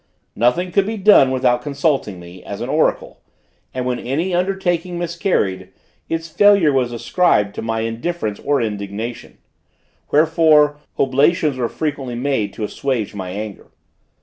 Nothing could be done without consulting me, as an oracle, and when any undertaking miscarried, its failure was ascribed to my indifference or indignation; wherefore, oblations were frequently made to assuage my anger.